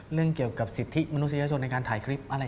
เรื่องเกี่ยวกับสิทธิมนุษยชนในการถ่ายคลิปอะไร